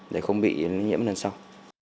để không bị nhiễm lần sau